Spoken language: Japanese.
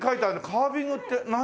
カービングって何？